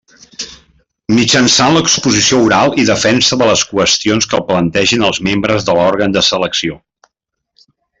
Mitjançant l'exposició oral i defensa de les qüestions que plantegin els membres de l'òrgan de selecció.